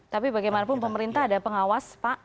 tapi bagaimanapun pemerintah ada pengawas pak